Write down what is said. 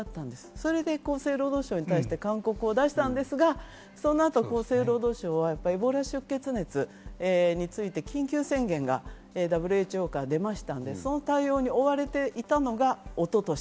それで厚生労働省に対して勧告を出したんですが、そのあと厚生労働省はエボラ出血熱について緊急宣言がＷＨＯから出ましたので、その対応に追われていたのが一昨年。